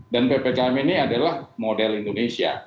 dan ppkm ini adalah model indonesia